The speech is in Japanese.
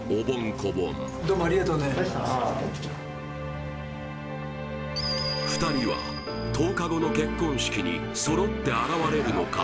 こぼん２人は１０日後の結婚式に揃って現れるのか？